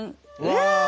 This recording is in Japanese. うわ！